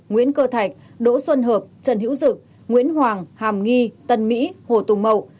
nguyễn cơ thạch đỗ xuân hợp trần hữu dực nguyễn hoàng hàm nghi tân mỹ hồ tùng mậu